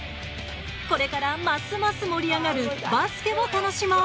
これからますます盛り上がるバスケを楽しもう！